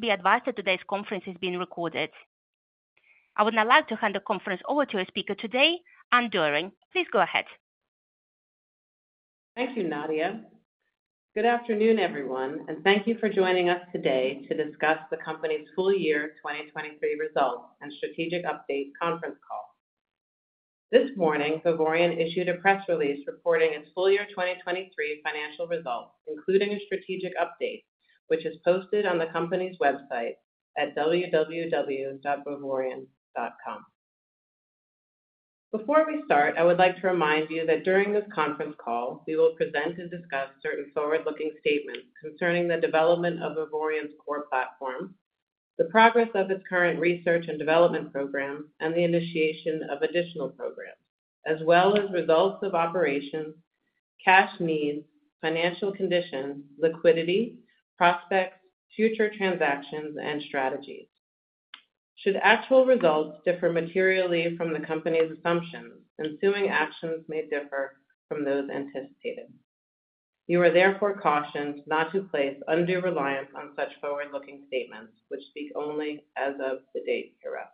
Please be advised that today's conference is being recorded. I would now like to hand the conference over to our speaker today, Anne Doering. Please go ahead. Thank you, Nadia. Good afternoon, everyone, and thank you for joining us today to discuss the company's full year 2023 results and strategic updates conference call. This morning, Vivoryon issued a press release reporting its full year 2023 financial results, including a strategic update, which is posted on the company's website at www.vivoryon.com. Before we start, I would like to remind you that during this conference call, we will present and discuss certain forward-looking statements concerning the development of Vivoryon's core platform, the progress of its current research and development program, and the initiation of additional programs, as well as results of operations, cash needs, financial conditions, liquidity, prospects, future transactions, and strategies. Should actual results differ materially from the company's assumptions, ensuing actions may differ from those anticipated. You are therefore cautioned not to place undue reliance on such forward-looking statements which speak only as of the date you're at.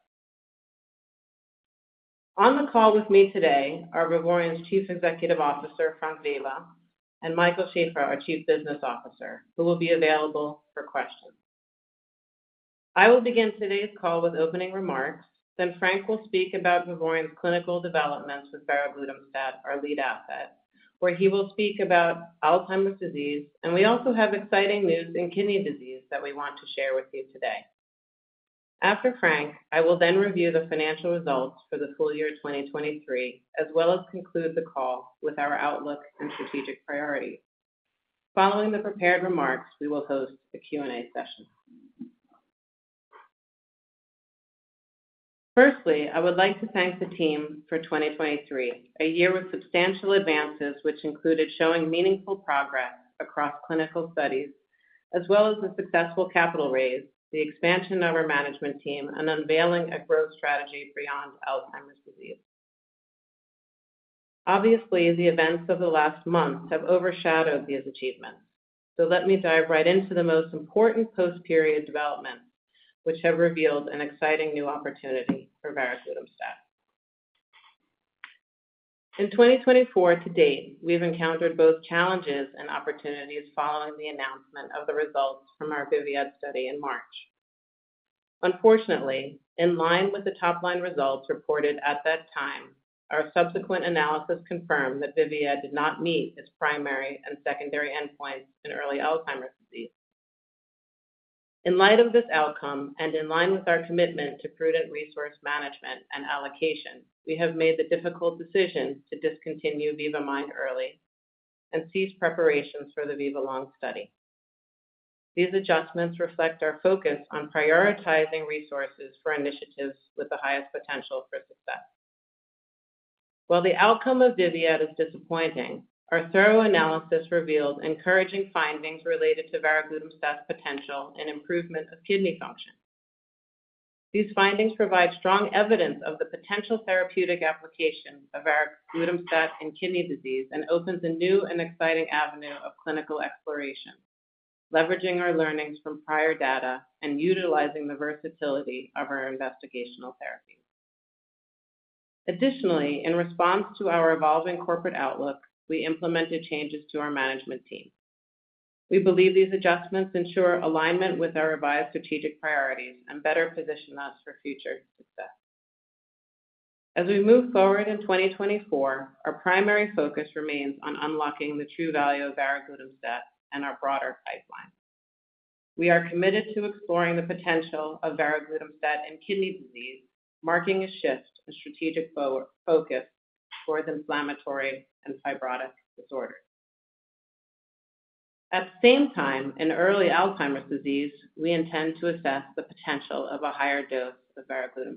On the call with me today are Vivoryon's Chief Executive Officer, Frank Weber, and Michael Schaeffer, our Chief Business Officer, who will be available for questions. I will begin today's call with opening remarks, then Frank will speak about Vivoryon's clinical developments with varoglutamstat, our lead asset, where he will speak about Alzheimer's disease, and we also have exciting news in kidney disease that we want to share with you today. After Frank, I will then review the financial results for the full year 2023 as well as conclude the call with our outlook and strategic priorities. Following the prepared remarks, we will host a Q&A session. Firstly, I would like to thank the team for 2023, a year with substantial advances which included showing meaningful progress across clinical studies as well as a successful capital raise, the expansion of our management team, and unveiling a growth strategy beyond Alzheimer's disease. Obviously, the events of the last months have overshadowed these achievements, so let me dive right into the most important post-period developments which have revealed an exciting new opportunity for varoglutamstat. In 2024 to date, we've encountered both challenges and opportunities following the announcement of the results from our VIVIAD study in March. Unfortunately, in line with the top-line results reported at that time, our subsequent analysis confirmed that VIVIAD did not meet its primary and secondary endpoints in early Alzheimer's disease. In light of this outcome and in line with our commitment to prudent resource management and allocation, we have made the difficult decision to discontinue VIVA-MIND early and cease preparations for the VIVALONG study. These adjustments reflect our focus on prioritizing resources for initiatives with the highest potential for success. While the outcome of VIVIAD is disappointing, our thorough analysis revealed encouraging findings related to varoglutamstat's potential in improvement of kidney function. These findings provide strong evidence of the potential therapeutic application of varoglutamstat in kidney disease and opens a new and exciting avenue of clinical exploration, leveraging our learnings from prior data and utilizing the versatility of our investigational therapies. Additionally, in response to our evolving corporate outlook, we implemented changes to our management team. We believe these adjustments ensure alignment with our revised strategic priorities and better position us for future success. As we move forward in 2024, our primary focus remains on unlocking the true value of varoglutamstat and our broader pipeline. We are committed to exploring the potential of varoglutamstat in kidney disease, marking a shift in strategic focus towards inflammatory and fibrotic disorders. At the same time, in early Alzheimer's disease, we intend to assess the potential of a higher dose of varoglutamstat.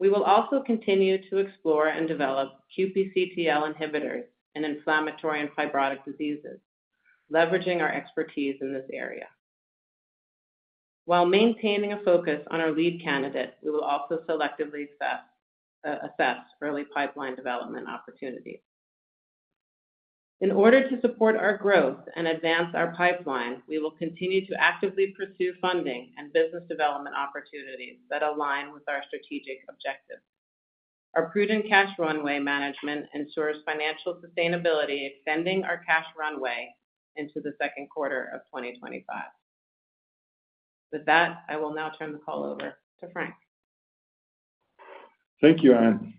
We will also continue to explore and develop QPCTL inhibitors in inflammatory and fibrotic diseases, leveraging our expertise in this area. While maintaining a focus on our lead candidate, we will also selectively assess early pipeline development opportunities. In order to support our growth and advance our pipeline, we will continue to actively pursue funding and business development opportunities that align with our strategic objectives. Our prudent cash runway management ensures financial sustainability, extending our cash runway into the second quarter of 2025. With that, I will now turn the call over to Frank. Thank you, Anne.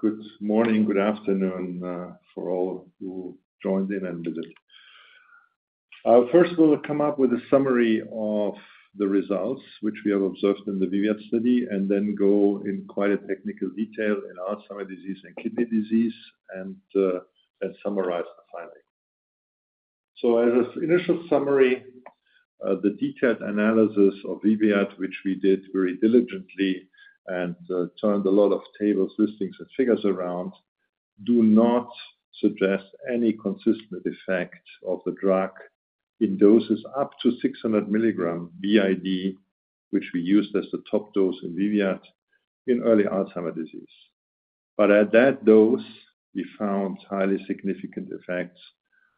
Good morning, good afternoon for all who joined in and visited. First, we'll come up with a summary of the results which we have observed in the VIVIAD study and then go in quite a technical detail in Alzheimer's disease and kidney disease and summarize the findings. As an initial summary, the detailed analysis of VIVIAD, which we did very diligently and turned a lot of tables, listings, and figures around, does not suggest any consistent effect of the drug in doses up to 600 milligrams b.i.d., which we used as the top dose in VIVIAD in early Alzheimer's disease. At that dose, we found highly significant effects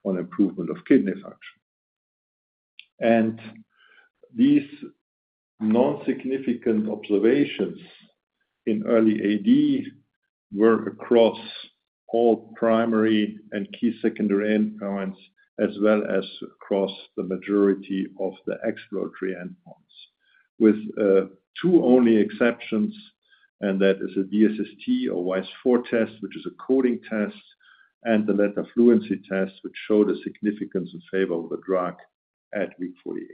on improvement of kidney function. These non-significant observations in early AD were across all primary and key secondary endpoints as well as across the majority of the exploratory endpoints, with two only exceptions, and that is a DSST or WAIS-IV test, which is a coding test, and the letter fluency test, which showed a significance in favor of the drug at week 48.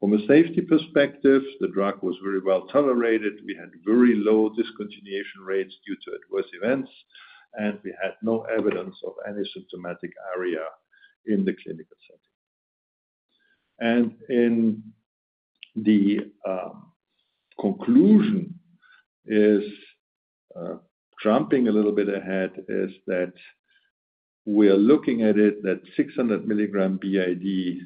From a safety perspective, the drug was very well tolerated. We had very low discontinuation rates due to adverse events, and we had no evidence of any symptomatic ARIA in the clinical setting. And in the conclusion, jumping a little bit ahead, is that we are looking at it that 600 mg b.i.d.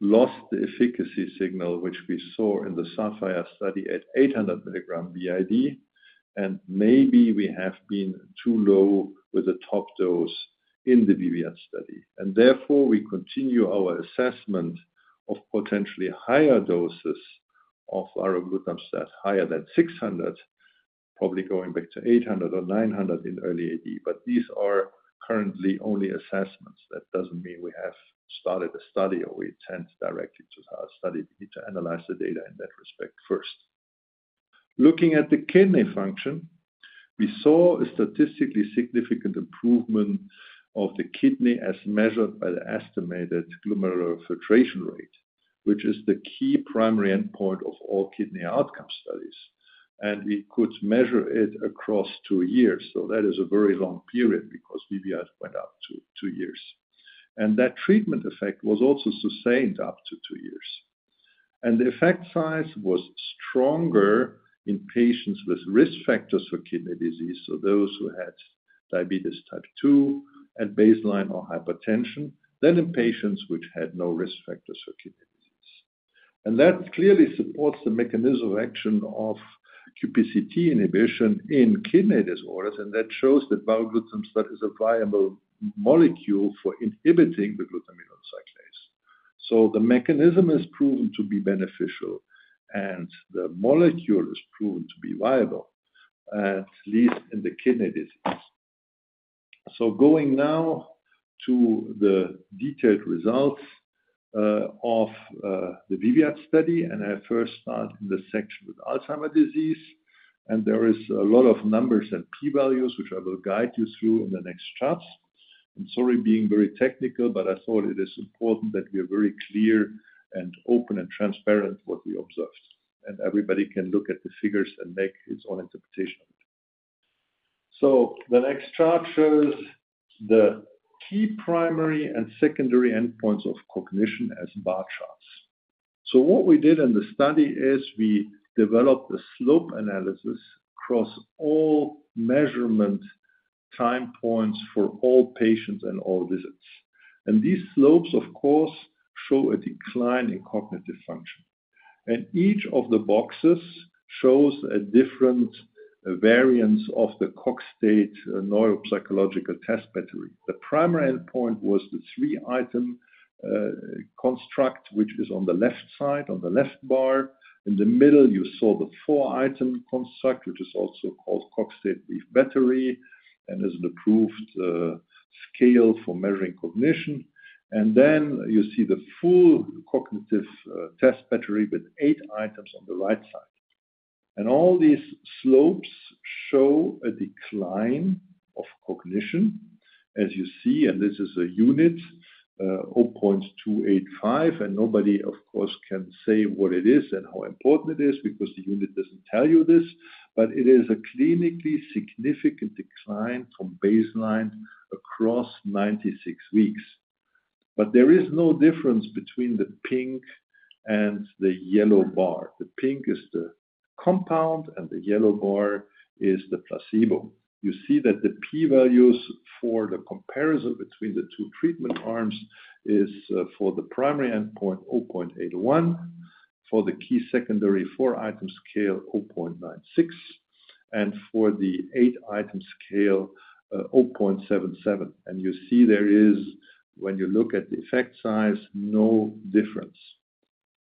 lost the efficacy signal, which we saw in the SAPHIR study, at 800 mg b.i.d., and maybe we have been too low with the top dose in the VIVIAD study. Therefore, we continue our assessment of potentially higher doses of varoglutamstat, higher than 600, probably going back to 800 or 900 in early AD. But these are currently only assessments. That doesn't mean we have started a study or we intend directly to study. We need to analyze the data in that respect first. Looking at the kidney function, we saw a statistically significant improvement of the kidney as measured by the estimated glomerular filtration rate, which is the key primary endpoint of all kidney outcome studies. We could measure it across two years. That is a very long period because VIVIAD went up to two years. That treatment effect was also sustained up to two years. The effect size was stronger in patients with risk factors for kidney disease, so those who had diabetes type 2 and baseline or hypertension, than in patients which had no risk factors for kidney disease. That clearly supports the mechanism of action of QPCT inhibition in kidney disorders, and that shows that varoglutamstat is a viable molecule for inhibiting the glutaminyl cyclase. The mechanism is proven to be beneficial, and the molecule is proven to be viable, at least in the kidney disease. Going now to the detailed results of the VIVIAD study, and I first start in the section with Alzheimer's disease. There are a lot of numbers and p-values, which I will guide you through in the next charts. I'm sorry for being very technical, but I thought it is important that we are very clear and open and transparent about what we observed, and everybody can look at the figures and make its own interpretation of it. So the next chart shows the key primary and secondary endpoints of cognition as bar charts. So what we did in the study is we developed a slope analysis across all measurement time points for all patients and all visits. And these slopes, of course, show a decline in cognitive function. And each of the boxes shows a different variance of the Cogstate neuropsychological test battery. The primary endpoint was the three-item construct, which is on the left side, on the left bar. In the middle, you saw the four-item construct, which is also called Cogstate battery and is an approved scale for measuring cognition. Then you see the full cognitive test battery with 8 items on the right side. All these slopes show a decline of cognition, as you see, and this is a unit, 0.285, and nobody, of course, can say what it is and how important it is because the unit doesn't tell you this, but it is a clinically significant decline from baseline across 96 weeks. There is no difference between the pink and the yellow bar. The pink is the compound, and the yellow bar is the placebo. You see that the p-values for the comparison between the two treatment arms are for the primary endpoint, 0.81, for the key secondary, 4-item scale, 0.96, and for the 8-item scale, 0.77. You see there is, when you look at the effect size, no difference.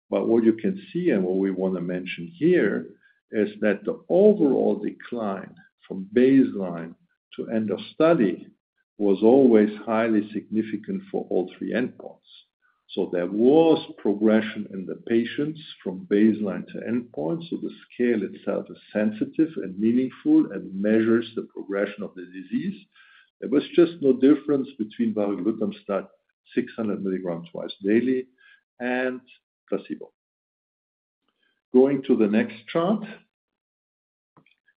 But what you can see and what we want to mention here is that the overall decline from baseline to end of study was always highly significant for all three endpoints. So there was progression in the patients from baseline to endpoint, so the scale itself is sensitive and meaningful and measures the progression of the disease. There was just no difference between varoglutamstat 600 milligrams twice daily and placebo. Going to the next chart,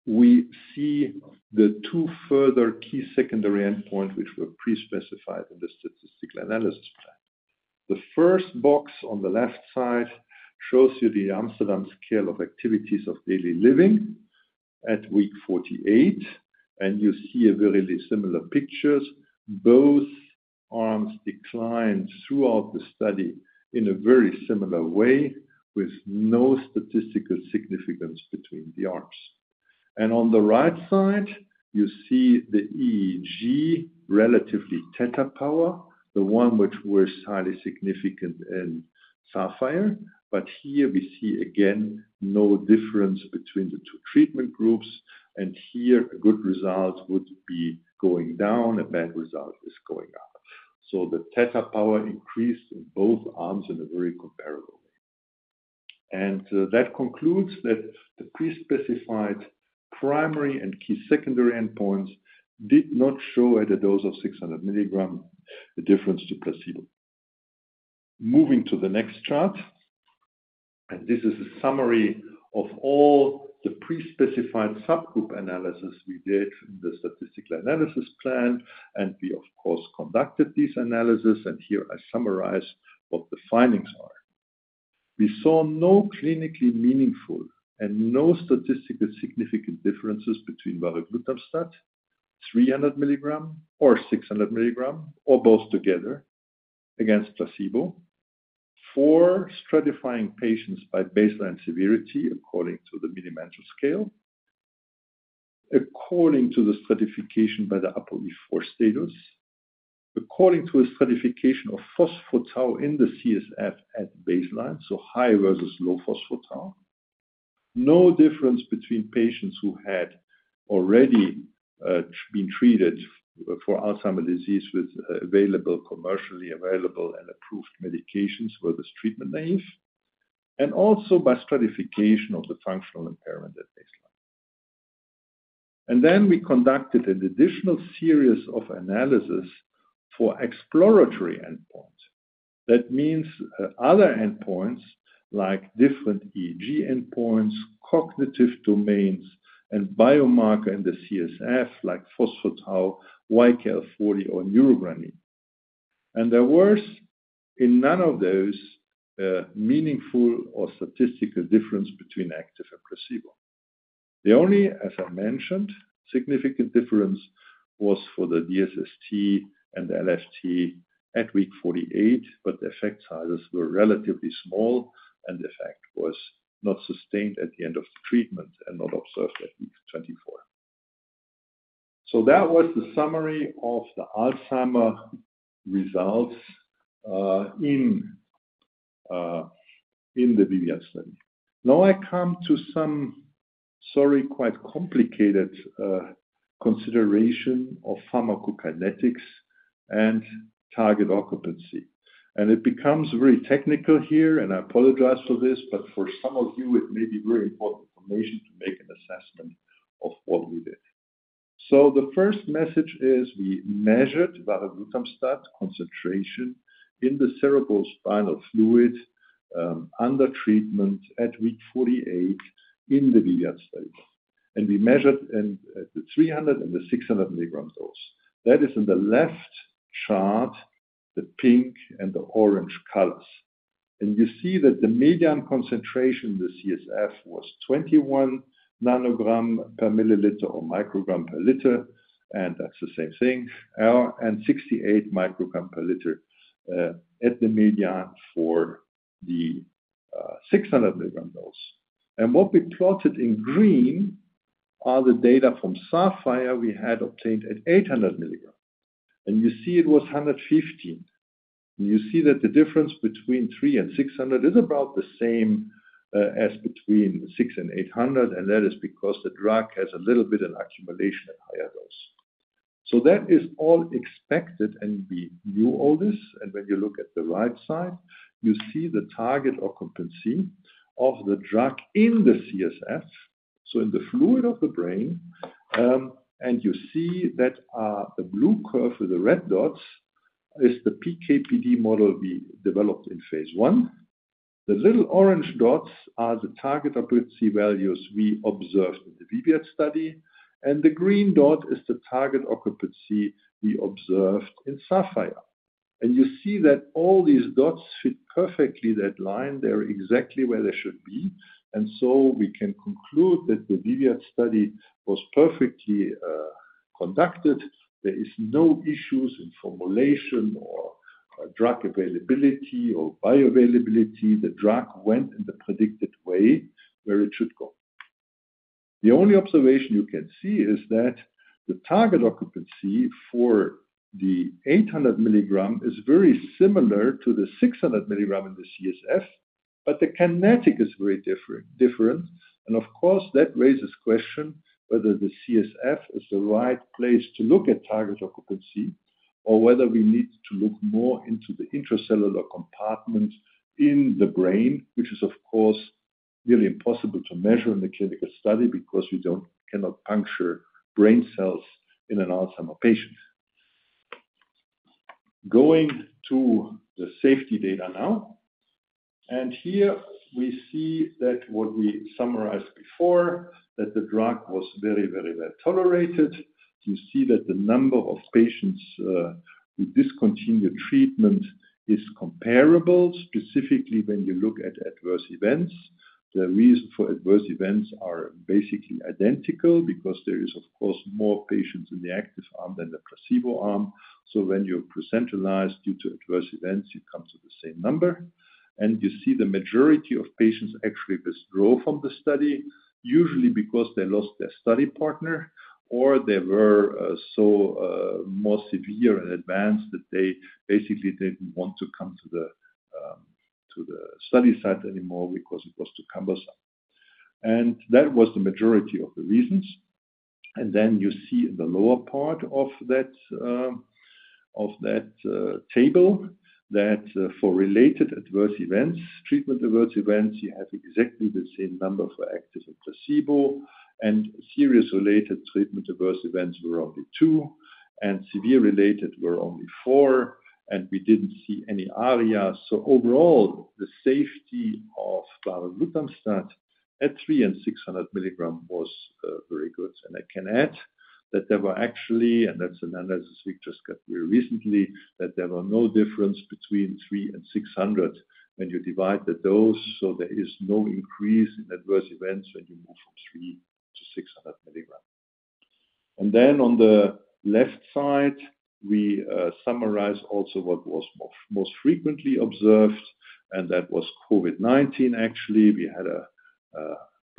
we see the two further key secondary endpoints, which were pre-specified in the statistical analysis plan. The first box on the left side shows you the Amsterdam scale of activities of daily living at week 48, and you see very similar pictures. Both arms declined throughout the study in a very similar way, with no statistical significance between the arms. On the right side, you see the EEG, relative theta power, the one which was highly significant in SAPHIR. But here we see, again, no difference between the two treatment groups, and here a good result would be going down. A bad result is going up. So the theta power increased in both arms in a very comparable way. That concludes that the pre-specified primary and key secondary endpoints did not show, at a dose of 600 milligrams, a difference to placebo. Moving to the next chart, and this is a summary of all the pre-specified subgroup analyses we did in the statistical analysis plan, and we, of course, conducted these analyses, and here I summarize what the findings are. We saw no clinically meaningful and no statistically significant differences between varoglutamstat, 300 milligrams or 600 milligrams, or both together, against placebo for stratifying patients by baseline severity according to the Mini-Mental scale; according to the stratification by the APOE4 status; according to the stratification of phospho-tau in the CSF at baseline, so high versus low phospho-tau; no difference between patients who had already been treated for Alzheimer's disease with available, commercially available, and approved medications versus treatment naïve; and also by stratification of the functional impairment at baseline. Then we conducted an additional series of analyses for exploratory endpoints. That means other endpoints like different EEG endpoints, cognitive domains, and biomarker in the CSF, like phospho-tau, YKL-40, or neurogranin. There was, in none of those, a meaningful or statistical difference between active and placebo. The only, as I mentioned, significant difference was for the DSST and the LFT at week 48, but the effect sizes were relatively small, and the effect was not sustained at the end of the treatment and not observed at week 24. So that was the summary of the Alzheimer's results in the VIVIAD study. Now I come to some, sorry, quite complicated consideration of pharmacokinetics and target occupancy. It becomes very technical here, and I apologize for this, but for some of you, it may be very important information to make an assessment of what we did. So the first message is we measured varoglutamstat concentration in the cerebrospinal fluid under treatment at week 48 in the VIVIAD study. And we measured the 300 and the 600 milligram dose. That is in the left chart, the pink and the orange colors. You see that the median concentration in the CSF was 21 nanograms per milliliter or microgram per liter, and that's the same thing, and 68 microgram per liter at the median for the 600 milligram dose. What we plotted in green are the data from SAPHIR we had obtained at 800 milligrams. You see it was 115. You see that the difference between 300 and 600 is about the same as between 600 and 800, and that is because the drug has a little bit of accumulation at higher dose. So that is all expected, and we knew all this. When you look at the right side, you see the target occupancy of the drug in the CSF, so in the fluid of the brain. You see that the blue curve with the red dots is the PKPD model we developed in Phase I. The little orange dots are the target occupancy values we observed in the VIVIAD study. The green dot is the target occupancy we observed in SAPHIR. You see that all these dots fit perfectly that line. They're exactly where they should be. So we can conclude that the VIVIAD study was perfectly conducted. There are no issues in formulation or drug availability or bioavailability. The drug went in the predicted way where it should go. The only observation you can see is that the target occupancy for the 800 milligram is very similar to the 600 milligram in the CSF, but the kinetic is very different. Of course, that raises the question whether the CSF is the right place to look at target occupancy or whether we need to look more into the intracellular compartment in the brain, which is, of course, nearly impossible to measure in the clinical study because we cannot puncture brain cells in an Alzheimer's patient. Going to the safety data now. Here we see that what we summarized before, that the drug was very, very well tolerated. You see that the number of patients who discontinued treatment is comparable, specifically when you look at adverse events. The rate of adverse events is basically identical because there are, of course, more patients in the active arm than the placebo arm. When you look at percentages due to adverse events, you come to the same number. You see the majority of patients actually withdraw from the study, usually because they lost their study partner or they were so more severe and advanced that they basically didn't want to come to the study site anymore because it was too cumbersome. And that was the majority of the reasons. And then you see in the lower part of that table that for related adverse events, treatment adverse events, you have exactly the same number for active and placebo. And serious related treatment adverse events were only 2, and severe related were only 4, and we didn't see any ARIA. So overall, the safety of varoglutamstat at 300 mg and 600 mg was very good. And I can add that there were actually, and that's an analysis we just got very recently, that there were no differences between 300 and 600 when you divide the dose. There is no increase in adverse events when you move from 300-600 milligrams. Then on the left side, we summarize also what was most frequently observed, and that was COVID-19, actually. We had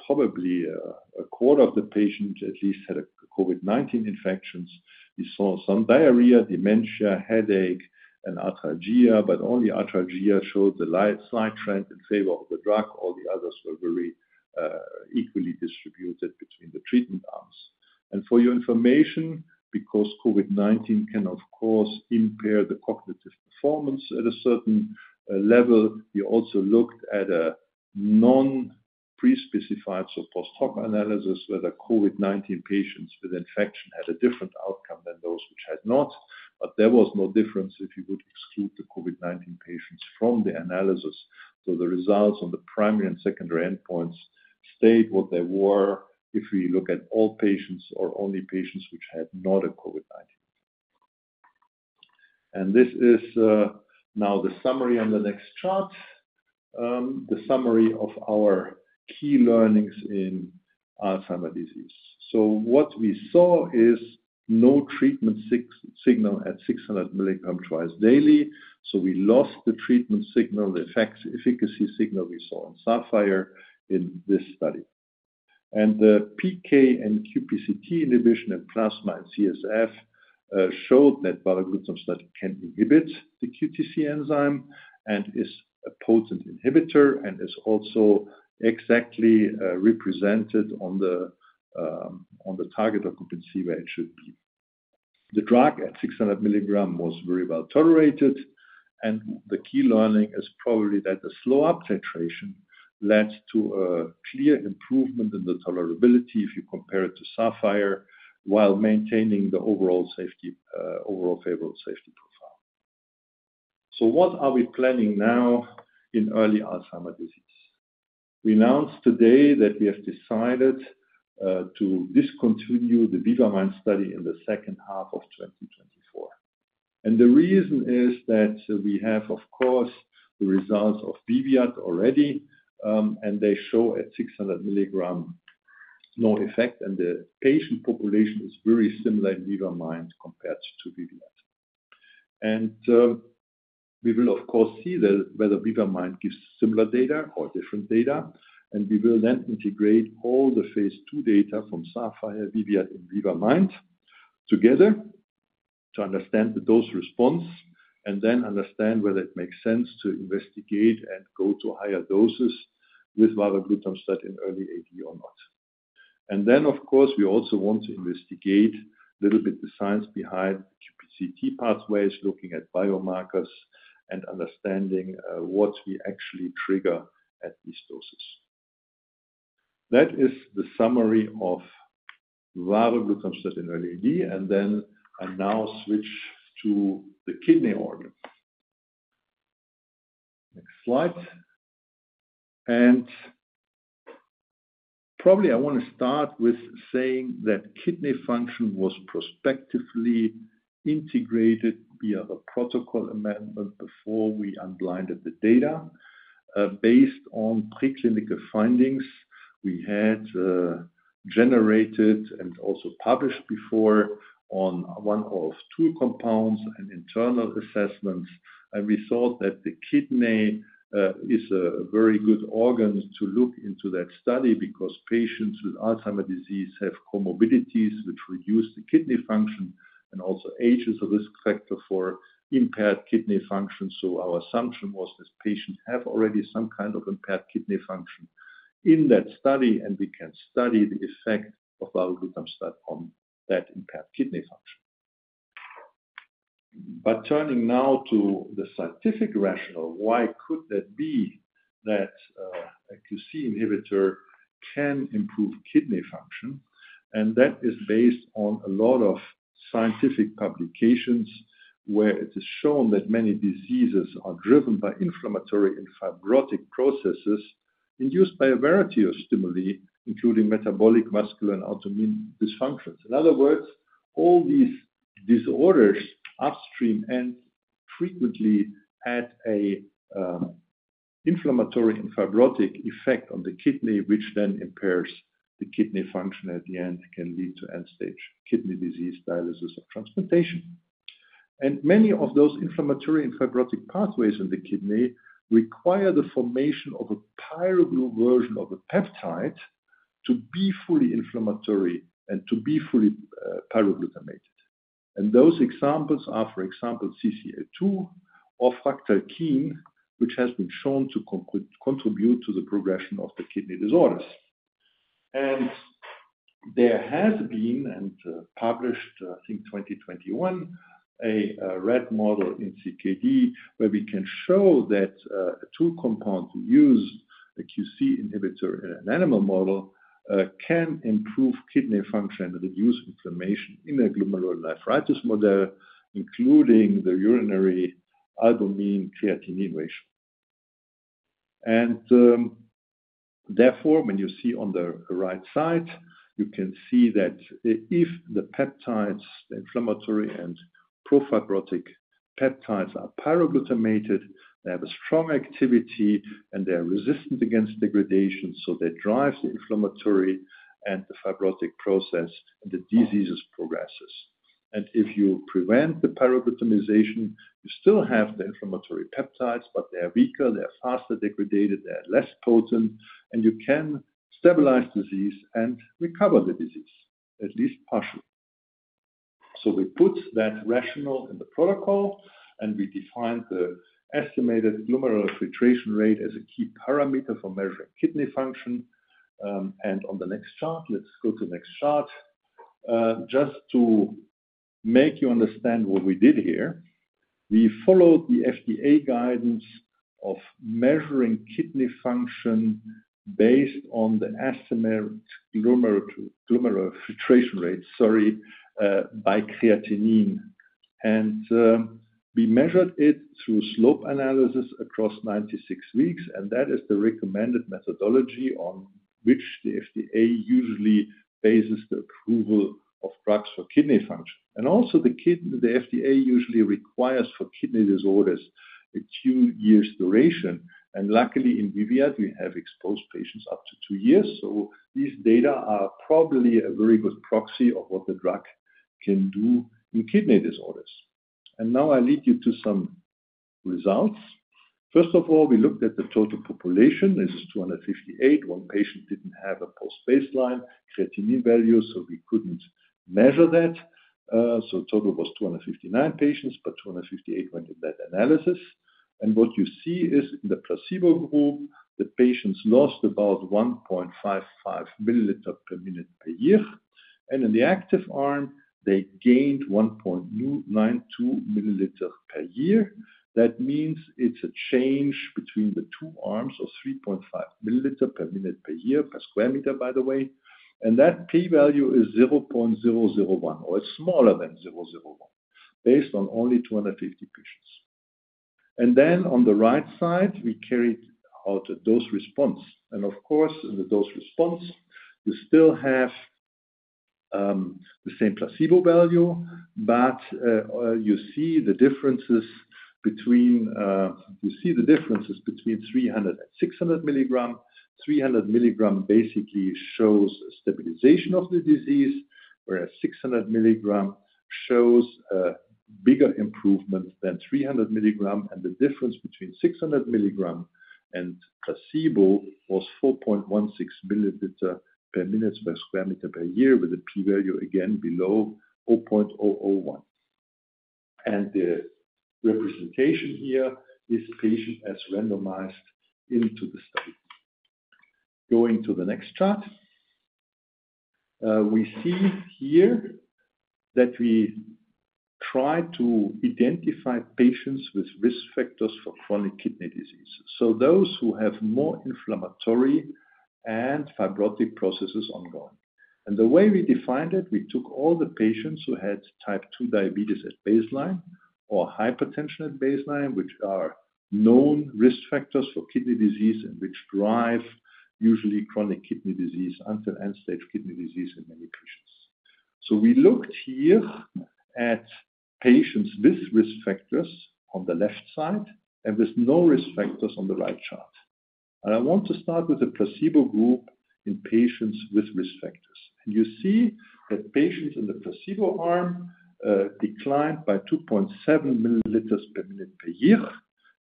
probably a quarter of the patients at least had COVID-19 infections. We saw some diarrhea, dementia, headache, and arthralgia, but only arthralgia showed the slight trend in favor of the drug. All the others were very equally distributed between the treatment arms. For your information, because COVID-19 can, of course, impair the cognitive performance at a certain level, we also looked at a non-pre-specified, so post-hoc analysis, whether COVID-19 patients with infection had a different outcome than those which had not. There was no difference if you would exclude the COVID-19 patients from the analysis. The results on the primary and secondary endpoints stayed what they were if we look at all patients or only patients which had not a COVID-19. This is now the summary on the next chart, the summary of our key learnings in Alzheimer's disease. What we saw is no treatment signal at 600 milligrams twice daily. We lost the treatment signal, the efficacy signal we saw in SAPHIR in this study. The PK and QPCT inhibition in plasma and CSF showed that varoglutamstat can inhibit the QPCT enzyme and is a potent inhibitor and is also exactly represented on the target occupancy where it should be. The drug at 600 milligrams was very well tolerated. And the key learning is probably that the slow uptitration led to a clear improvement in the tolerability if you compare it to SAPHIR while maintaining the overall favorable safety profile. So what are we planning now in early Alzheimer's disease? We announced today that we have decided to discontinue the VIVA-MIND study in the second half of 2024. And the reason is that we have, of course, the results of VIVIAD already, and they show at 600 milligrams no effect, and the patient population is very similar in VIVA-MIND compared to VIVIAD. And we will, of course, see whether VIVA-MIND gives similar data or different data. And we will then integrate all the Phase II data from SAPHIR, VIVIAD, and VIVA-MIND together to understand the dose response and then understand whether it makes sense to investigate and go to higher doses with varoglutamstat in early AD or not. Then, of course, we also want to investigate a little bit the science behind QPCT pathways, looking at biomarkers and understanding what we actually trigger at these doses. That is the summary of varoglutamstat in early AD. Then I now switch to the kidney organs. Next slide. Probably I want to start with saying that kidney function was prospectively integrated via the protocol amendment before we unblinded the data. Based on preclinical findings we had generated and also published before on one of two compounds and internal assessments, and we thought that the kidney is a very good organ to look into that study because patients with Alzheimer's disease have comorbidities which reduce the kidney function and also age is a risk factor for impaired kidney function. So our assumption was this patient has already some kind of impaired kidney function in that study, and we can study the effect of varoglutamstat on that impaired kidney function. But turning now to the scientific rationale, why could that be that a QC inhibitor can improve kidney function? And that is based on a lot of scientific publications where it is shown that many diseases are driven by inflammatory and fibrotic processes induced by a variety of stimuli, including metabolic, muscular, and autoimmune dysfunctions. In other words, all these disorders upstream and frequently had an inflammatory and fibrotic effect on the kidney, which then impairs the kidney function at the end, can lead to end-stage kidney disease dialysis or transplantation. Many of those inflammatory and fibrotic pathways in the kidney require the formation of a pyroGlu version of a peptide to be fully inflammatory and to be fully pyroglutamated. Those examples are, for example, CCL2 or fractalkine, which has been shown to contribute to the progression of the kidney disorders. There has been published, I think, in 2021, a rat model in CKD where we can show that a tool compound, a QC inhibitor, in an animal model can improve kidney function and reduce inflammation in a glomerulonephritis model, including the urinary albumin-creatinine ratio. Therefore, when you see on the right side, you can see that if the peptides, the inflammatory and profibrotic peptides are pyroglutamated, they have a strong activity, and they're resistant against degradation. So they drive the inflammatory and the fibrotic process, and the disease progresses. If you prevent the pyroglutamation, you still have the inflammatory peptides, but they are weaker, they are faster degraded, they are less potent, and you can stabilize disease and recover the disease, at least partially. We put that rationale in the protocol, and we defined the estimated glomerular filtration rate as a key parameter for measuring kidney function. On the next chart, let's go to the next chart. Just to make you understand what we did here, we followed the FDA guidance of measuring kidney function based on the estimated glomerular filtration rate, sorry, by creatinine. We measured it through slope analysis across 96 weeks. That is the recommended methodology on which the FDA usually bases the approval of drugs for kidney function. Also the FDA usually requires for kidney disorders a two-year duration. Luckily, in VIVIAD, we have exposed patients up to two years. So these data are probably a very good proxy of what the drug can do in kidney disorders. Now I lead you to some results. First of all, we looked at the total population. This is 258. One patient didn't have a post-baseline creatinine value, so we couldn't measure that. So total was 259 patients, but 258 went in that analysis. And what you see is in the placebo group, the patients lost about 1.55 milliliter per minute per year. And in the active arm, they gained 1.92 milliliter per year. That means it's a change between the two arms of 3.5 milliliter per minute per year, per square meter, by the way. And that p-value is 0.001, or it's smaller than 0.001, based on only 250 patients. Then on the right side, we carried out a dose response. And of course, in the dose response, you still have the same placebo value, but you see the differences between 300 and 600 milligrams. 300 milligrams basically shows a stabilization of the disease, whereas 600 milligrams shows a bigger improvement than 300 milligrams. And the difference between 600 milligrams and placebo was 4.16 milliliter per minute per square meter per year, with a p-value again below 0.001. And the representation here is patients as randomized into the study. Going to the next chart. We see here that we tried to identify patients with risk factors for chronic kidney disease, so those who have more inflammatory and fibrotic processes ongoing. The way we defined it, we took all the patients who had type 2 diabetes at baseline or hypertension at baseline, which are known risk factors for kidney disease and which drive usually chronic kidney disease until end-stage kidney disease in many patients. We looked here at patients with risk factors on the left side and with no risk factors on the right chart. I want to start with the placebo group in patients with risk factors. You see that patients in the placebo arm declined by 2.7 milliliters per minute per year,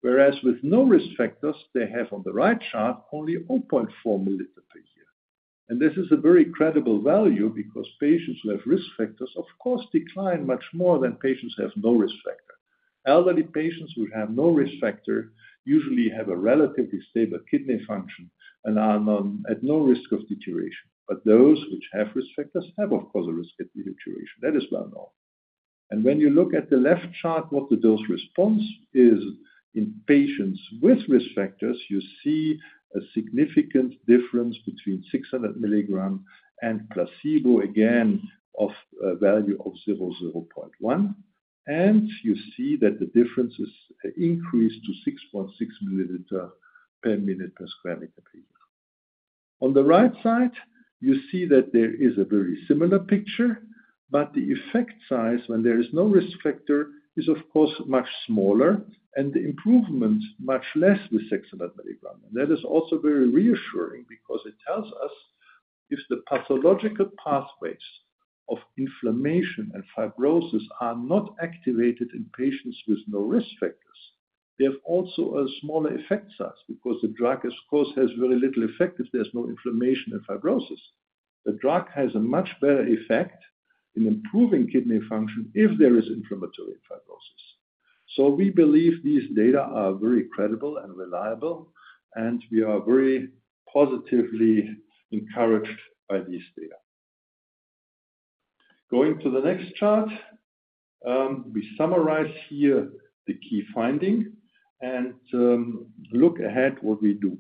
whereas with no risk factors, they have on the right chart only 0.4 milliliters per year. This is a very credible value because patients who have risk factors, of course, decline much more than patients who have no risk factor. Elderly patients who have no risk factor usually have a relatively stable kidney function and are at no risk of deterioration. But those which have risk factors have, of course, a risk of deterioration. That is well known. And when you look at the left chart, what the dose response is in patients with risk factors, you see a significant difference between 600 milligrams and placebo, again of value of 0.001. And you see that the difference is increased to 6.6 milliliters per minute per square meter per year. On the right side, you see that there is a very similar picture, but the effect size when there is no risk factor is, of course, much smaller and the improvement much less with 600 milligrams. That is also very reassuring because it tells us if the pathological pathways of inflammation and fibrosis are not activated in patients with no risk factors, they have also a smaller effect size because the drug, of course, has very little effect if there's no inflammation and fibrosis. The drug has a much better effect in improving kidney function if there is inflammatory and fibrosis. So we believe these data are very credible and reliable, and we are very positively encouraged by these data. Going to the next chart. We summarize here the key finding and look ahead what we do.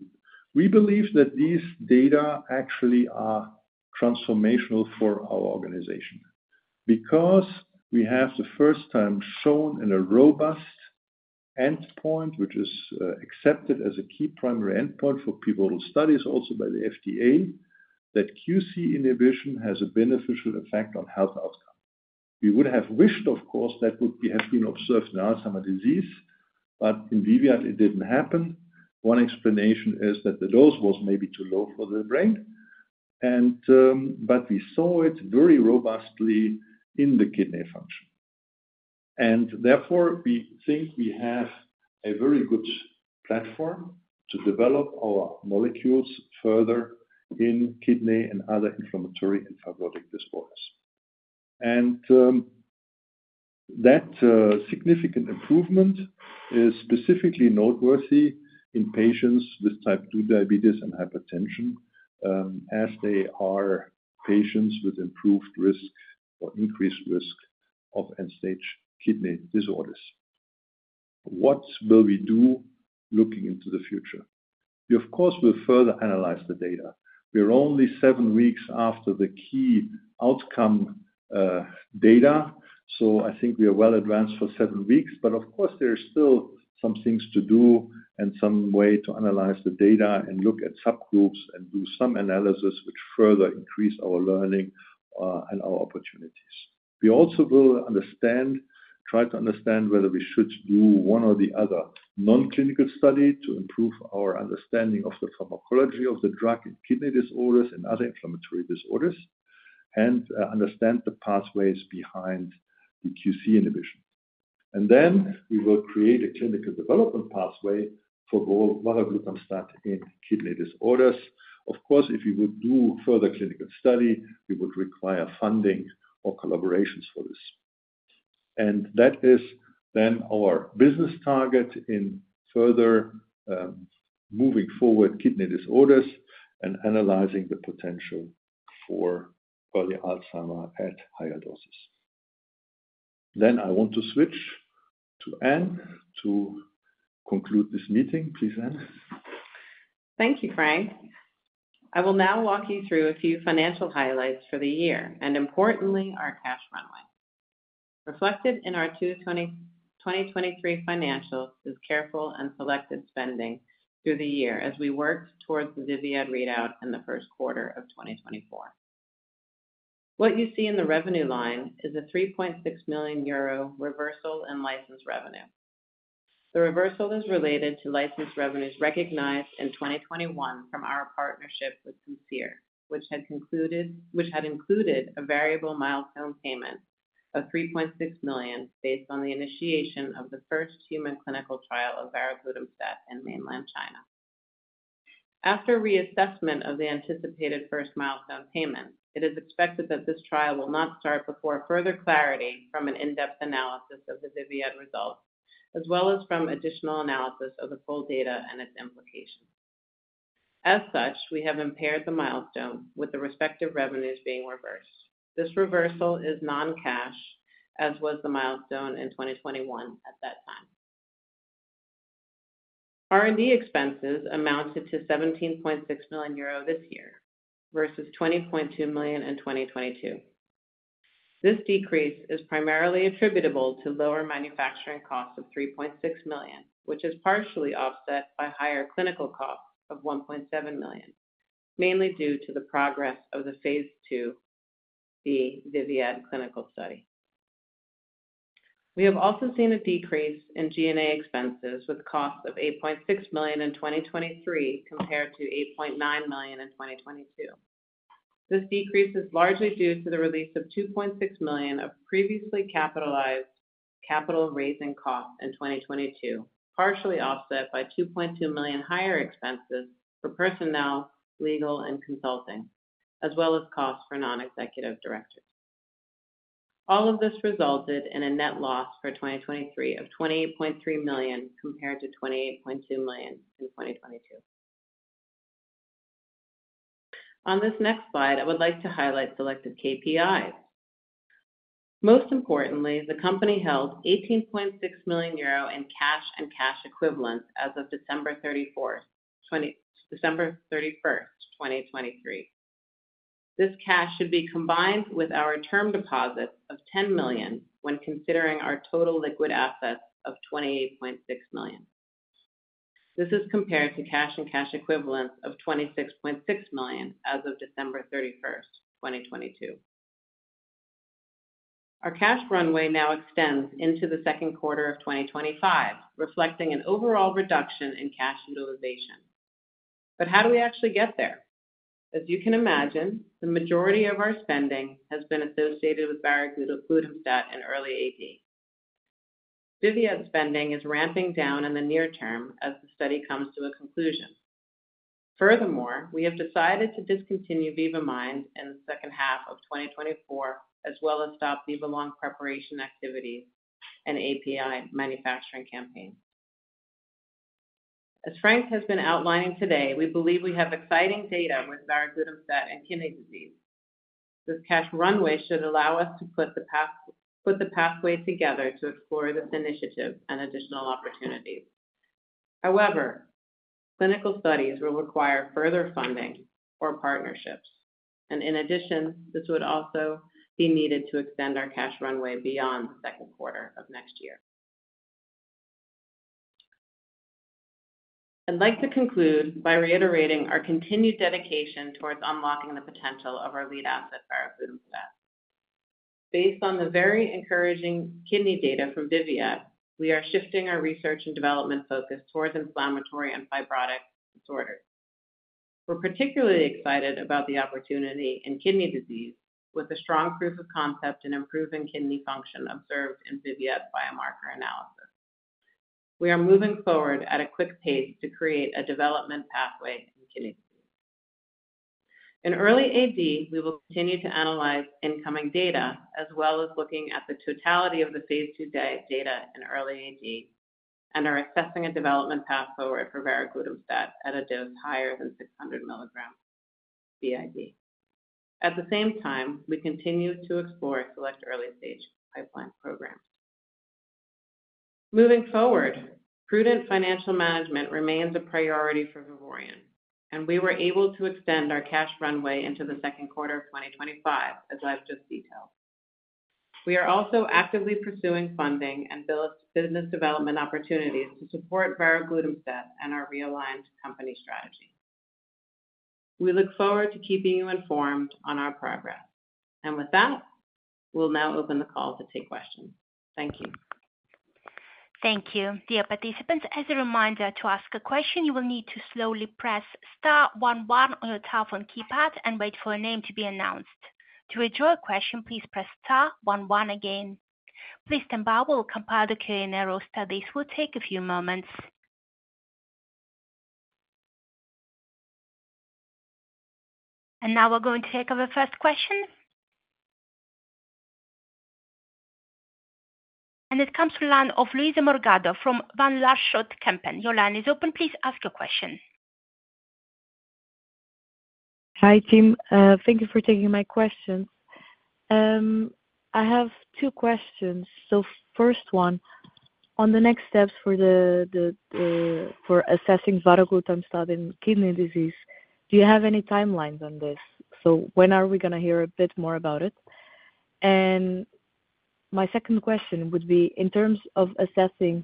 We believe that these data actually are transformational for our organization because we have the first time shown in a robust endpoint, which is accepted as a key primary endpoint for pivotal studies also by the FDA, that QC inhibition has a beneficial effect on health outcomes. We would have wished, of course, that would have been observed in Alzheimer's disease. But in VIVIAD, it didn't happen. One explanation is that the dose was maybe too low for the brain. But we saw it very robustly in the kidney function. Therefore, we think we have a very good platform to develop our molecules further in kidney and other inflammatory and fibrotic disorders. That significant improvement is specifically noteworthy in patients with type 2 diabetes and hypertension as they are patients with improved risk or increased risk of end-stage kidney disorders. What will we do looking into the future? We, of course, will further analyze the data. We are only seven weeks after the key outcome data. So I think we are well advanced for seven weeks. Of course, there are still some things to do and some way to analyze the data and look at subgroups and do some analysis which further increase our learning and our opportunities. We also will understand, try to understand whether we should do one or the other non-clinical study to improve our understanding of the pharmacology of the drug in kidney disorders and other inflammatory disorders, and understand the pathways behind the QC inhibition. Then we will create a clinical development pathway for varoglutamstat in kidney disorders. Of course, if we would do further clinical study, we would require funding or collaborations for this. That is then our business target in further moving forward kidney disorders and analyzing the potential for early Alzheimer's at higher doses. I want to switch to Anne to conclude this meeting. Please, Anne. Thank you, Frank. I will now walk you through a few financial highlights for the year, and importantly, our cash runway. Reflected in our 2023 financials is careful and selected spending through the year as we worked towards the VIVIAD readout in the first quarter of 2024. What you see in the revenue line is a 3.6 million euro reversal in license revenue. The reversal is related to license revenues recognized in 2021 from our partnership with Simcere, which had included a variable milestone payment of 3.6 million based on the initiation of the first human clinical trial of varoglutamstat in mainland China. After reassessment of the anticipated first milestone payment, it is expected that this trial will not start before further clarity from an in-depth analysis of the VIVIAD results, as well as from additional analysis of the full data and its implications. As such, we have impaired the milestone with the respective revenues being reversed. This reversal is non-cash, as was the milestone in 2021 at that time. R&D expenses amounted to 17.6 million euro this year versus 20.2 million in 2022. This decrease is primarily attributable to lower manufacturing costs of 3.6 million, which is partially offset by higher clinical costs of 1.7 million, mainly due to the progress of the Phase 2b VIVIAD clinical study. We have also seen a decrease in G&A expenses with costs of 8.6 million in 2023 compared to 8.9 million in 2022. This decrease is largely due to the release of 2.6 million of previously capitalized capital raising costs in 2022, partially offset by 2.2 million higher expenses for personnel, legal, and consulting, as well as costs for non-executive directors. All of this resulted in a net loss for 2023 of 28.3 million compared to 28.2 million in 2022. On this next slide, I would like to highlight selected KPIs. Most importantly, the company held 18.6 million euro in cash and cash equivalents as of December 31st, 2023. This cash should be combined with our term deposits of 10 million when considering our total liquid assets of 28.6 million. This is compared to cash and cash equivalents of 26.6 million as of December 31st, 2022. Our cash runway now extends into the second quarter of 2025, reflecting an overall reduction in cash utilization. But how do we actually get there? As you can imagine, the majority of our spending has been associated with varoglutamstat in early AD. VIVIAD spending is ramping down in the near term as the study comes to a conclusion. Furthermore, we have decided to discontinue VIVA-MIND in the second half of 2024, as well as stop VIVALONG preparation activities and API manufacturing campaigns. As Frank has been outlining today, we believe we have exciting data with varoglutamstat and kidney disease. This cash runway should allow us to put the pathway together to explore this initiative and additional opportunities. However, clinical studies will require further funding or partnerships. In addition, this would also be needed to extend our cash runway beyond the second quarter of next year. I'd like to conclude by reiterating our continued dedication towards unlocking the potential of our lead asset, varoglutamstat. Based on the very encouraging kidney data from VIVIAD, we are shifting our research and development focus towards inflammatory and fibrotic disorders. We're particularly excited about the opportunity in kidney disease with a strong proof of concept in improving kidney function observed in VIVIAD biomarker analysis. We are moving forward at a quick pace to create a development pathway in kidney disease. In early AD, we will continue to analyze incoming data, as well as looking at the totality of the Phase II data in early AD, and are assessing a development path forward for varoglutamstat at a dose higher than 600 milligrams BID. At the same time, we continue to explore select early-stage pipeline programs. Moving forward, prudent financial management remains a priority for Vivoryon. And we were able to extend our cash runway into the second quarter of 2025, as I've just detailed. We are also actively pursuing funding and business development opportunities to support varoglutamstat and our realigned company strategy. We look forward to keeping you informed on our progress. With that, we'll now open the call to take questions. Thank you. Thank you. Dear participants, as a reminder to ask a question, you will need to slowly press star 11 on your telephone keypad and wait for a name to be announced. To read your question, please press star 11 again. Please stand by. We will compile the Q&A rows. This will take a few moments. Now we're going to take our first question. It comes from Luisa Morgado from Van Lanschot Kempen. Your line is open. Please ask your question. Hi, team. Thank you for taking my questions. I have two questions. First one, on the next steps for assessing varoglutamstat in kidney disease, do you have any timelines on this? So when are we going to hear a bit more about it? And my second question would be, in terms of assessing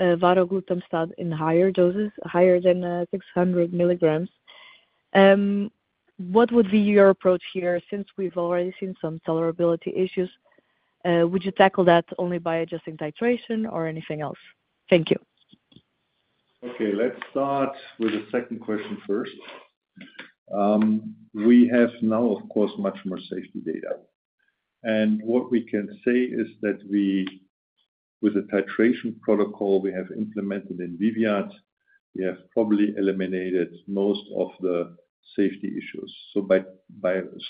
varoglutamstat in higher doses, higher than 600 mg, what would be your approach here? Since we've already seen some tolerability issues, would you tackle that only by adjusting titration or anything else? Thank you. Okay. Let's start with the second question first. We have now, of course, much more safety data. And what we can say is that with the titration protocol we have implemented in VIVIAD, we have probably eliminated most of the safety issues. So by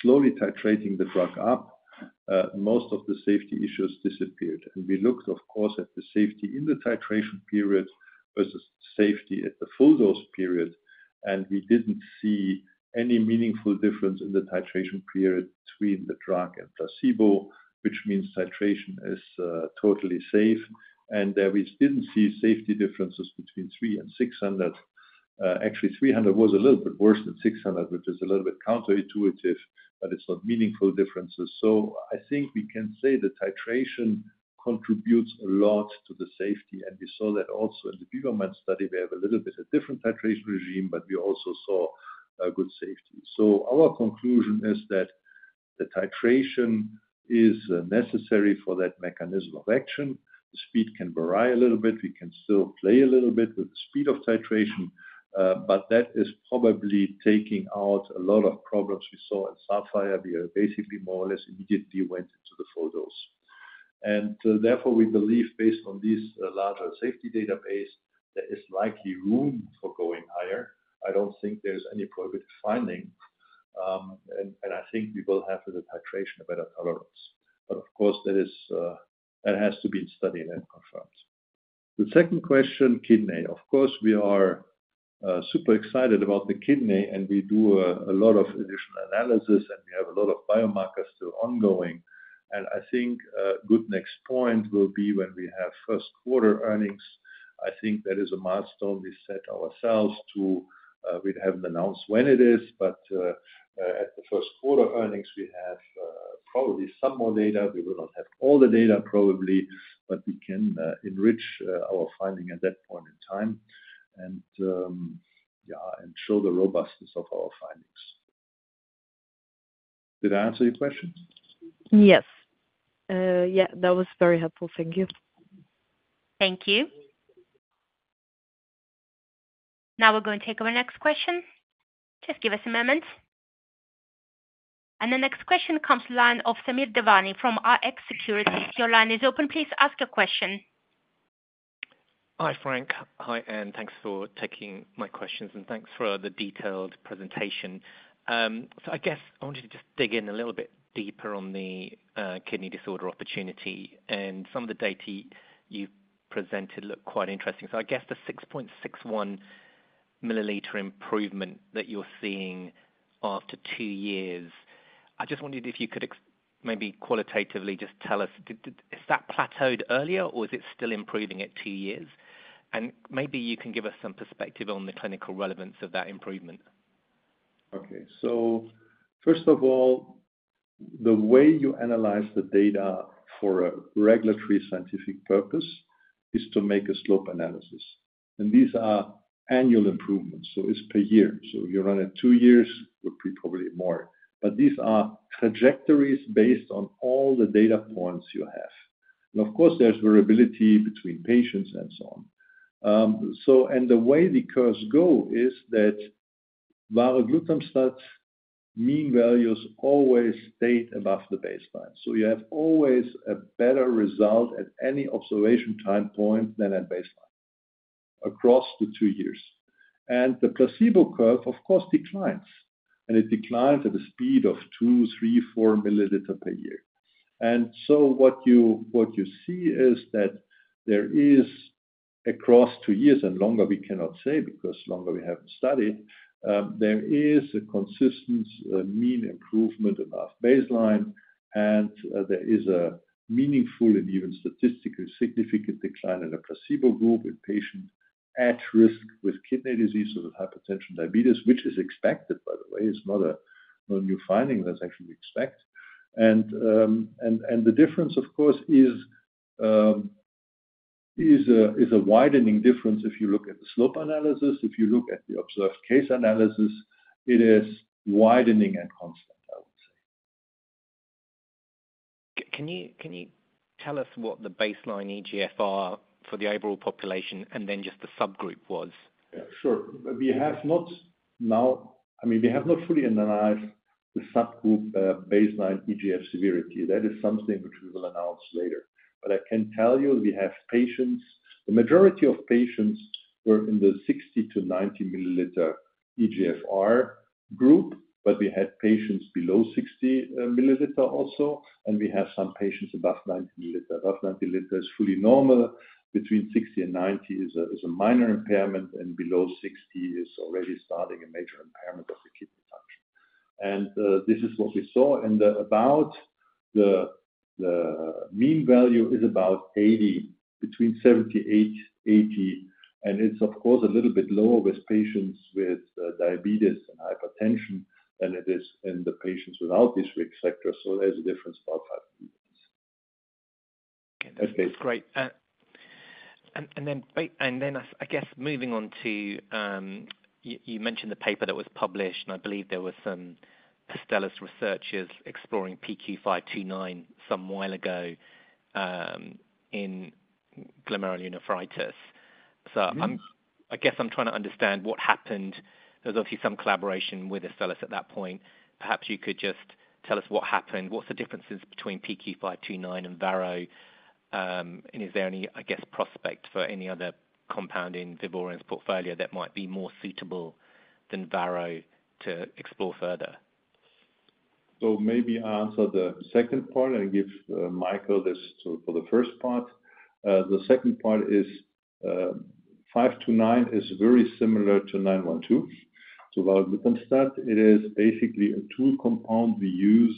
slowly titrating the drug up, most of the safety issues disappeared. And we looked, of course, at the safety in the titration period versus safety at the full dose period. We didn't see any meaningful difference in the titration period between the drug and placebo, which means titration is totally safe. There we didn't see safety differences between 300 and 600. Actually, 300 was a little bit worse than 600, which is a little bit counterintuitive, but it's not meaningful differences. I think we can say the titration contributes a lot to the safety. We saw that also in the VIVA-MIND study. We have a little bit of different titration regime, but we also saw good safety. Our conclusion is that the titration is necessary for that mechanism of action. The speed can vary a little bit. We can still play a little bit with the speed of titration. That is probably taking out a lot of problems we saw in SAPHIR. We basically more or less immediately went into the full dose. Therefore, we believe, based on this larger safety database, there is likely room for going higher. I don't think there's any prohibitive finding. I think we will have a better titration, a better tolerance. But of course, that has to be studied and confirmed. The second question, kidney. Of course, we are super excited about the kidney. We do a lot of additional analysis. We have a lot of biomarkers still ongoing. I think a good next point will be when we have first quarter earnings. I think that is a milestone we set ourselves to. We haven't announced when it is. But at the first quarter earnings, we have probably some more data. We will not have all the data, probably. But we can enrich our finding at that point in time. And yeah, and show the robustness of our findings. Did I answer your question? Yes. Yeah, that was very helpful. Thank you. Thank you. Now we're going to take our next question. Just give us a moment. The next question comes from Samir Devani of Rx Securities. Your line is open. Please ask your question. Hi, Frank. Hi, Anne. Thanks for taking my questions. Thanks for the detailed presentation. I guess I wanted to just dig in a little bit deeper on the kidney disorder opportunity. Some of the data you've presented look quite interesting. I guess the 6.61 milliliter improvement that you're seeing after two years, I just wondered if you could maybe qualitatively just tell us, has that plateaued earlier, or is it still improving at two years? Maybe you can give us some perspective on the clinical relevance of that improvement. Okay. So first of all, the way you analyze the data for a regulatory scientific purpose is to make a slope analysis. And these are annual improvements. So it's per year. So you run it two years, probably more. But these are trajectories based on all the data points you have. And of course, there's variability between patients and so on. And the way the curves go is that varoglutamstat mean values always stayed above the baseline. So you have always a better result at any observation time point than at baseline across the two years. And the placebo curve, of course, declines. And it declines at a speed of 2, 3, 4 milliliter per year. And so what you see is that there is across two years, and longer we cannot say because longer we haven't studied, there is a consistent mean improvement above baseline. There is a meaningful and even statistically significant decline in the placebo group in patients at risk with kidney disease or with hypertension, diabetes, which is expected, by the way. It's not a new finding that's actually expected. The difference, of course, is a widening difference if you look at the slope analysis. If you look at the observed case analysis, it is widening and constant, I would say. Can you tell us what the baseline eGFR for the overall population and then just the subgroup was? Yeah, sure. We have not now I mean, we have not fully analyzed the subgroup baseline eGFR severity. That is something which we will announce later. But I can tell you we have patients the majority of patients were in the 60-90 mL eGFR group. But we had patients below 60 mL also. And we have some patients above 90 milliliters. Above 90 liters is fully normal. Between 60-90 is a minor impairment. And below 60 is already starting a major impairment of the kidney function. And this is what we saw. And about the mean value is about 80 between 78-80. And it's, of course, a little bit lower with patients with diabetes and hypertension than it is in the patients without this risk factor. So there's a difference about 5 milliliters. Okay. That's great. And then I guess moving on to you mentioned the paper that was published. And I believe there were some Astellas researchers exploring PQ529 some time ago in glomerulonephritis. So I guess I'm trying to understand what happened. There was obviously some collaboration with Astellas at that point. Perhaps you could just tell us what happened. What's the differences between PQ529 and varoglutamstat? Is there any, I guess, prospect for any other compound in Vivoryon's portfolio that might be more suitable than varoglutamstat to explore further? Maybe answer the second part and give Michael this for the first part. The second part is 529 is very similar to 912. To varoglutamstat, it is basically a tool compound we use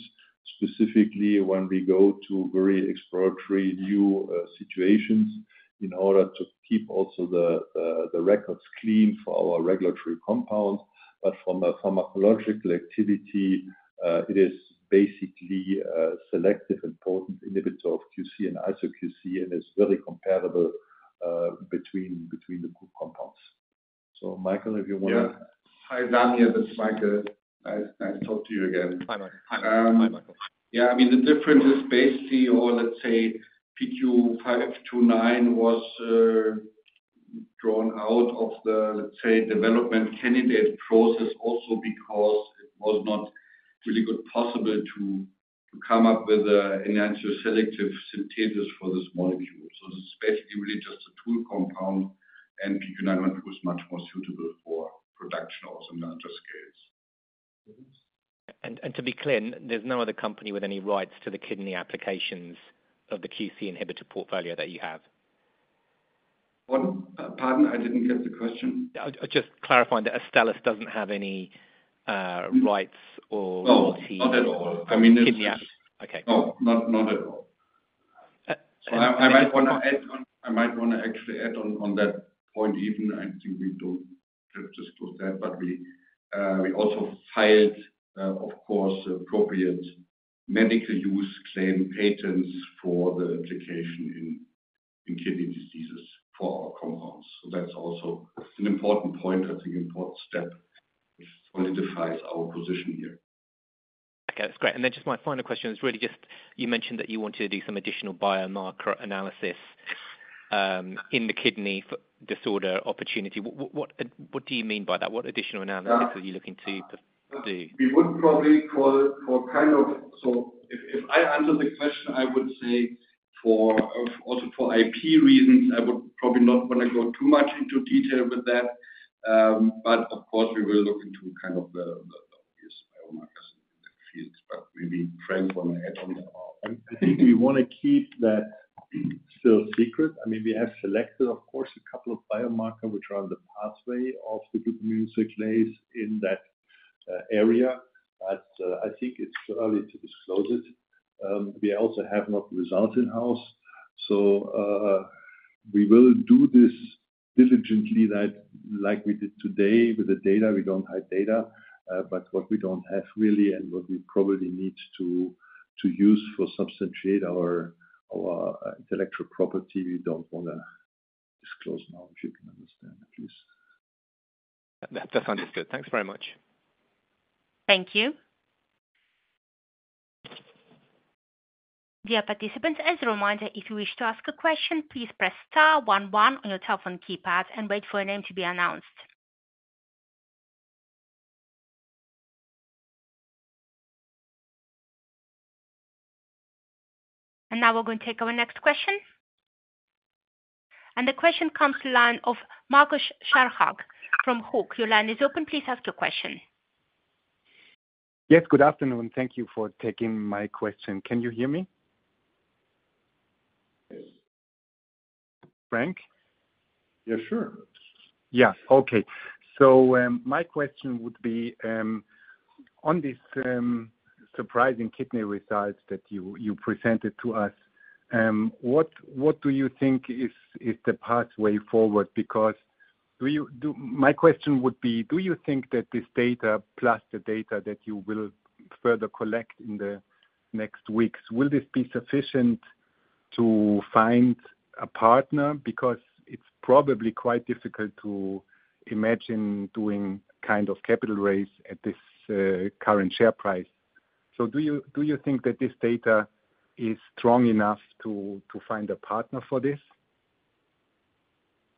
specifically when we go to very exploratory new situations in order to keep also the records clean for our regulatory compounds. But from a pharmacological activity, it is basically a selective important inhibitor of QC and isoQC. And it's very comparable between the group compounds. So Michael, if you want to. Yeah. Hi, Daniel. This is Michael. Nice to talk to you again. Hi, Michael. Hi, Michael. Yeah. I mean, the difference is basically or let's say PQ529 was drawn out of the, let's say, development candidate process also because it was not really possible to come up with an enantioselective synthesis for this molecule. So it's basically really just a tool compound. And PQ912 is much more suitable for production also on larger scales. And to be clear, there's no other company with any rights to the kidney applications of the QC inhibitor portfolio that you have? Pardon? I didn't get the question. Just clarifying that Astellas doesn't have any rights or No, not at all. I mean, it's No, not at all. So I might want to add on I might want to actually add on that point even. I think we don't have to disclose that. But we also filed, of course, appropriate medical use claim patents for the application in kidney diseases for our compounds. So that's also an important point, I think, important step, which solidifies our position here. Okay. That's great. And then just my final question is really just you mentioned that you wanted to do some additional biomarker analysis in the kidney disorder opportunity. What do you mean by that? What additional analysis are you looking to do? We would probably call for kind of so if I answer the question, I would say also for IP reasons, I would probably not want to go too much into detail with that. But of course, we will look into kind of the obvious biomarkers in that field. But maybe Frank want to add on that. I think we want to keep that still secret. I mean, we have selected, of course, a couple of biomarkers which are on the pathway of the glutaminyl cyclase in that area. But I think it's too early to disclose it. We also have not the results in-house. So we will do this diligently like we did today with the data. We don't hide data. But what we don't have really and what we probably need to use for substantiate our intellectual property, we don't want to disclose now if you can understand, please. That's understood. Thanks very much. Thank you. Dear participants, as a reminder, if you wish to ask a question, please press star 11 on your telephone keypad and wait for a name to be announced. And now we're going to take our next question. And the question comes to line of Marcus Scherhag from Hauck. Your line is open. Please ask your question. Yes. Good afternoon. Thank you for taking my question. Can you hear me? Yes. Frank? Yeah, sure. Yeah. Okay. So my question would be on these surprising kidney results that you presented to us, what do you think is the pathway forward? Because my question would be, do you think that this data plus the data that you will further collect in the next weeks, will this be sufficient to find a partner? Because it's probably quite difficult to imagine doing kind of capital raise at this current share price. So do you think that this data is strong enough to find a partner for this?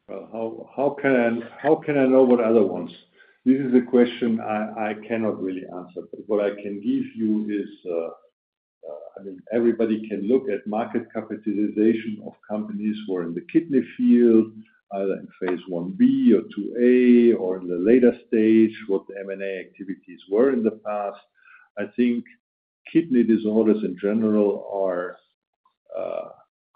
Well, how can I know what other ones? This is a question I cannot really answer. But what I can give you is, I mean, everybody can look at market capitalization of companies who are in the kidney field, either in Phase Ib or IIa or in the later stage, what the M&A activities were in the past. I think kidney disorders in general are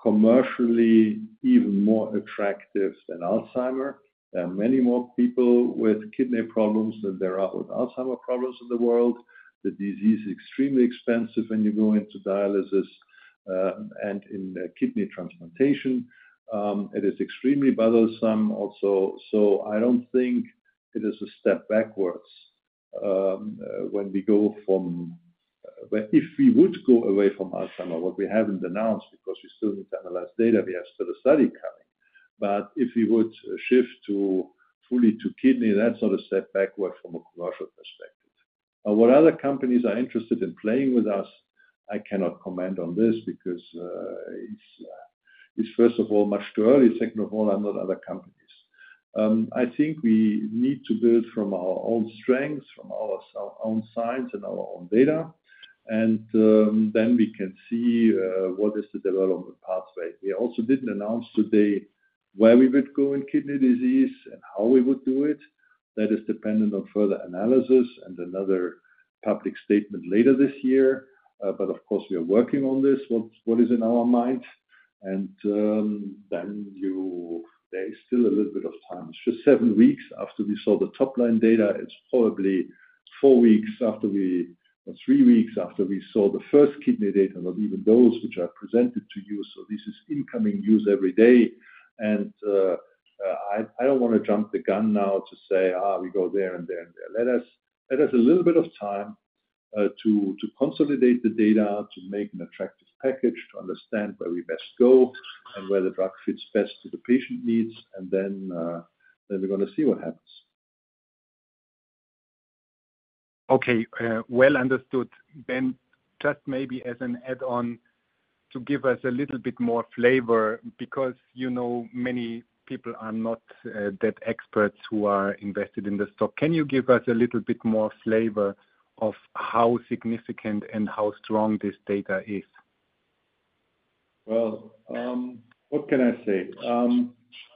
commercially even more attractive than Alzheimer's. There are many more people with kidney problems than there are with Alzheimer's problems in the world. The disease is extremely expensive when you go into dialysis. And in kidney transplantation, it is extremely bothersome also. So I don't think it is a step backward when we go from if we would go away from Alzheimer's, what we haven't announced because we still need to analyze data. We have still a study coming. But if we would shift fully to kidney, that's not a step backward from a commercial perspective. What other companies are interested in playing with us? I cannot comment on this because it's, first of all, much too early. Second of all, I'm not other companies. I think we need to build from our own strengths, from our own science and our own data. And then we can see what is the development pathway. We also didn't announce today where we would go in kidney disease and how we would do it. That is dependent on further analysis and another public statement later this year. But of course, we are working on this, what is in our mind. And then there is still a little bit of time. It's just seven weeks after we saw the top-line data. It's probably four weeks after we or three weeks after we saw the first kidney data, not even those which are presented to you. So this is incoming news every day. And I don't want to jump the gun now to say, "we go there and there and there." Let us a little bit of time to consolidate the data, to make an attractive package, to understand where we best go and where the drug fits best to the patient needs. And then we're going to see what happens. Okay. Well understood. Then just maybe as an add-on to give us a little bit more flavor because many people are not that experts who are invested in the stock. Can you give us a little bit more flavor of how significant and how strong this data is? Well, what can I say?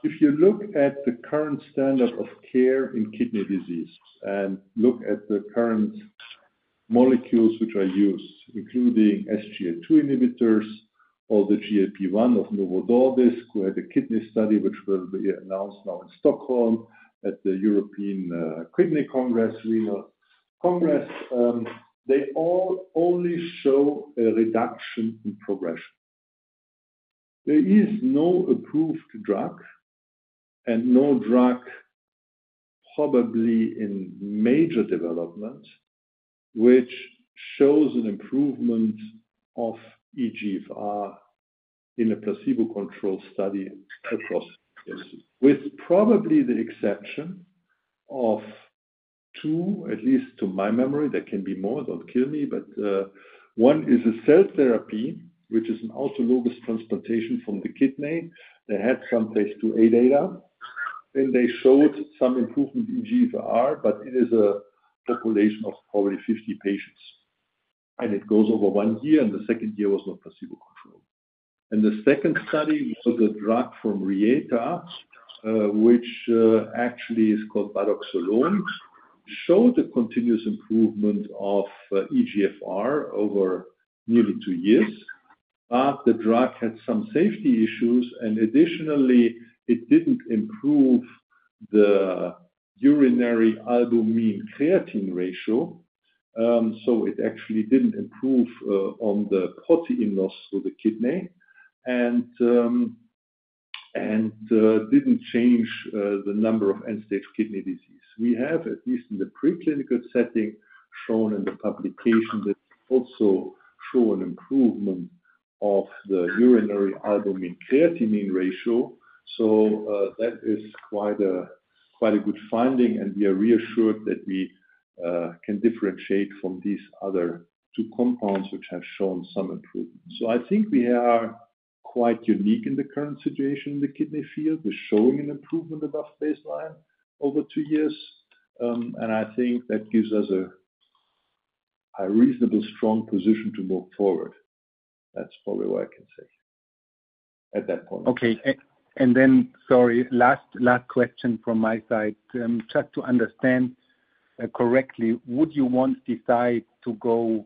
If you look at the current standard of care in kidney disease and look at the current molecules which are used, including SGLT2 inhibitors or the GLP-1 of Novo Nordisk, who had a kidney study which will be announced now in Stockholm at the European Kidney Congress, they all only show a reduction in progression. There is no approved drug and no drug probably in major development which shows an improvement of eGFR in a placebo-controlled study across with probably the exception of 2, at least to my memory. There can be more. Don't kill me. But one is a cell therapy, which is an autologous transplantation from the kidney. They had some Phase IIa data. Then they showed some improvement in eGFR. But it is a population of probably 50 patients. And it goes over 1 year. And the second year was not placebo-controlled. The second study was a drug from Reata, which actually is called bardoxolone, showed a continuous improvement of eGFR over nearly two years. But the drug had some safety issues. Additionally, it didn't improve the urinary albumin-creatinine ratio. So it actually didn't improve on the protein loss for the kidney and didn't change the number of end-stage kidney disease. We have, at least in the preclinical setting, shown in the publication that also show an improvement of the urinary albumin-creatinine ratio. So that is quite a good finding. And we are reassured that we can differentiate from these other two compounds which have shown some improvement. So I think we are quite unique in the current situation in the kidney field, with showing an improvement above baseline over two years. And I think that gives us a reasonable, strong position to move forward. That's probably what I can say at that point. Okay. And then, sorry, last question from my side. Just to understand correctly, would you want this side to go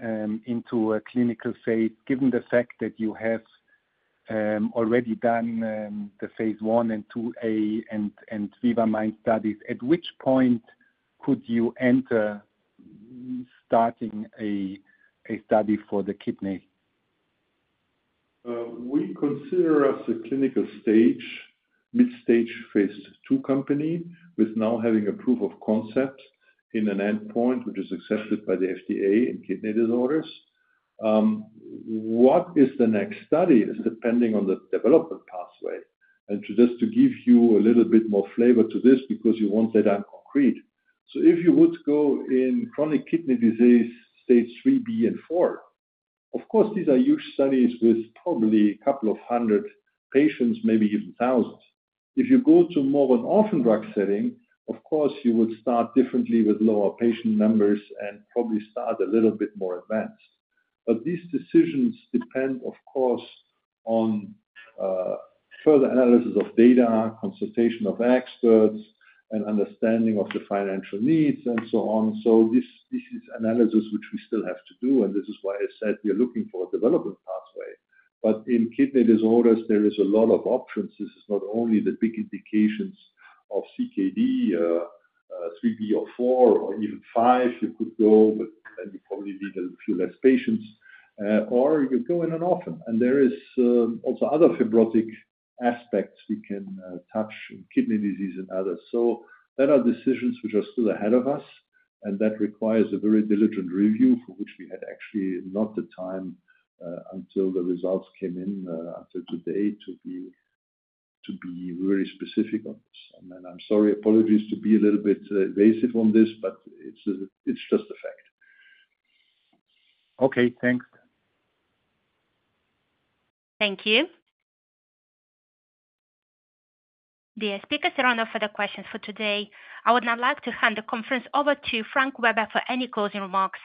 into a clinical phase given the fact that you have already done the Phase I and IIa and VIVA-MIND studies? At which point could you enter starting a study for the kidney? We consider us a clinical stage, mid-stage, Phase II company with now having a proof of concept in an endpoint which is accepted by the FDA in kidney disorders. What is the next study is depending on the development pathway. And just to give you a little bit more flavor to this because you want that on concrete. So if you would go in chronic kidney disease stage 3B and 4, of course, these are huge studies with probably a couple of hundred patients, maybe even thousands. If you go to more of an orphan drug setting, of course, you would start differently with lower patient numbers and probably start a little bit more advanced. But these decisions depend, of course, on further analysis of data, consultation of experts, and understanding of the financial needs, and so on. So this is analysis which we still have to do. And this is why I said we are looking for a development pathway. But in kidney disorders, there is a lot of options. This is not only the big indications of CKD 3b or 4 or even 5 you could go, but then you probably need a few less patients. Or you go in an orphan. And there is also other fibrotic aspects we can touch in kidney disease and others. So there are decisions which are still ahead of us. And that requires a very diligent review for which we had actually not the time until the results came in until today to be really specific on this. And I'm sorry, apologies to be a little bit evasive on this, but it's just a fact. Okay. Thanks. Thank you. Dear speakers, there are no further questions for today. I would now like to hand the conference over to Frank Weber for any closing remarks.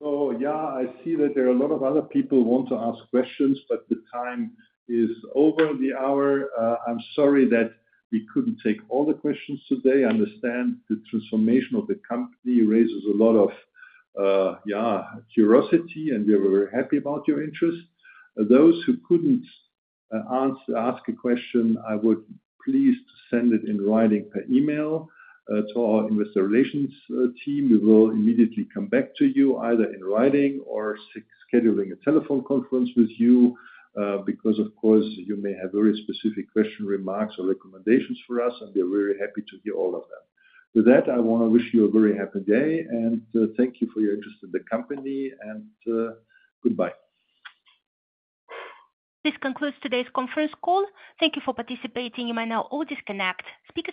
Oh, yeah. I see that there are a lot of other people who want to ask questions, but the time is over the hour. I'm sorry that we couldn't take all the questions today. I understand the transformation of the company raises a lot of, yeah, curiosity. And we are very happy about your interest. Those who couldn't ask a question, I would please to send it in writing per email to our investor relations team. We will immediately come back to you either in writing or scheduling a telephone conference with you because, of course, you may have very specific questions, remarks or recommendations for us. We are very happy to hear all of that. With that, I want to wish you a very happy day. Thank you for your interest in the company. Goodbye. This concludes today's conference call. Thank you for participating. You may now all disconnect. Speakers.